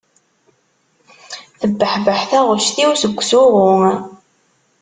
Tebbeḥbeḥ taɣect-iw seg usuɣu.